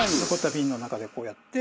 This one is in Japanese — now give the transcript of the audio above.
瓶の中でこうやって。